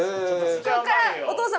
お義父さん！？